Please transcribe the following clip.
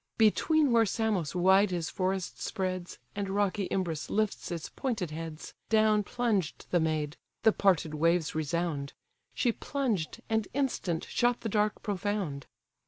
Between where Samos wide his forests spreads, And rocky Imbrus lifts its pointed heads, Down plunged the maid; (the parted waves resound;) She plunged and instant shot the dark profound.